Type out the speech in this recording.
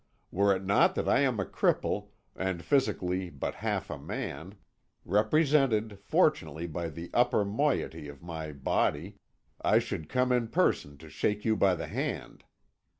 Were it not that I am a cripple, and physically but half a man represented, fortunately, by the upper moiety of my body I should come in person to shake you by the hand.